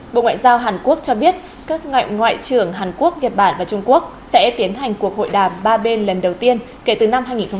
bộ ngoại giao hàn quốc cho biết các ngoại trưởng hàn quốc nhật bản và trung quốc sẽ tiến hành cuộc hội đàm ba bên lần đầu tiên kể từ năm hai nghìn một mươi một